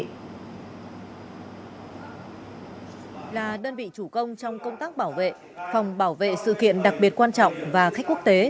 trong công tác bảo vệ phòng bảo vệ sự kiện đặc biệt quan trọng và khách quốc tế